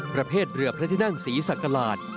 ประเภทเรือพระทินั่งสีสักกระหลาด